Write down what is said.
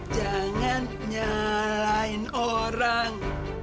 jangan nyalain orang